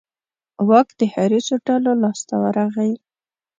واک د حریصو ډلو لاس ته ورغی.